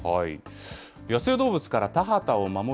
野生動物から田畑を守る